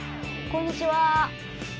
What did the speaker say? こんにちは。